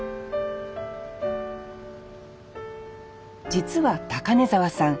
実は高根沢さん